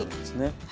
はい。